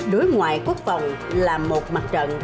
đối ngoại quốc phòng là một mặt trận